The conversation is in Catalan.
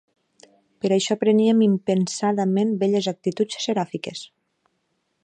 Per això preníem impensadament belles actituds seràfiques